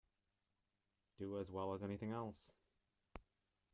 Do as well as anything else!